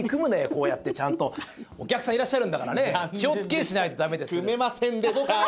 こうやってちゃんとお客さんいらっしゃるんだからね気をつけしないとダメですハハハハッ！